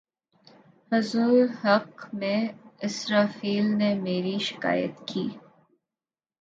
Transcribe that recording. حضور حق میں اسرافیل نے میری شکایت کی